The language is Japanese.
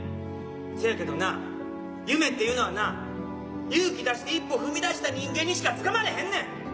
せやけどな夢っていうのはな勇気出して一歩踏み出した人間にしかつかまれへんねん。